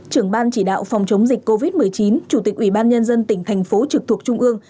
trưởng ban chỉ đạo phòng chống dịch covid một mươi chín chủ tịch ủy ban nhân dân tỉnh thành phố trực thuộc trung ương